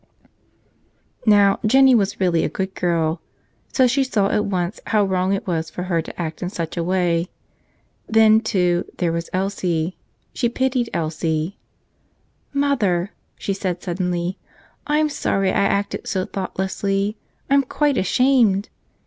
Now, Jennie was really a good girl. So she saw at once how wrong it was for her to act in such a way. Then, too, there was Elsie — she pitied Elsie. "Mother," she said suddenly, "I'm sorry I acted so thoughtlessly. I'm quite ashamed